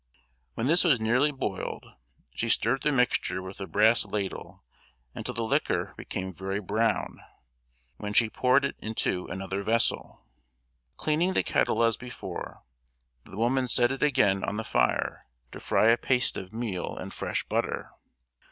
When this was nearly boiled she stirred the mixture with a brass ladle until the liquor became very brown, when she poured it into another vessel. Cleaning the kettle as before, the woman set it again on the fire to fry a paste of meal and fresh butter.